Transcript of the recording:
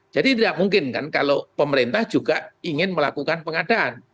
jadi tidak mungkin kan kalau pemerintah juga ingin melakukan pengadaan